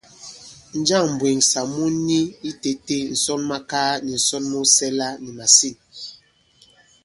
Njâŋ m̀mbwèŋsà mu ni itētē ǹsɔnmakaa nì ǹsɔn mu sɛla nì màsîn?